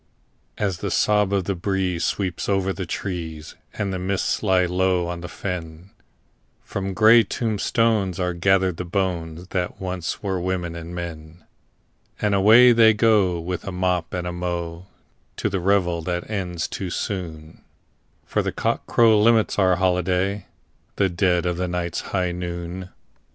As the sob of the breeze sweeps over the trees, and the mists lie low on the fen, From grey tombstones are gathered the bones that once were women and men, And away they go, with a mop and a mow, to the revel that ends too soon, For cockcrow limits our holiday—the dead of the night's high noon!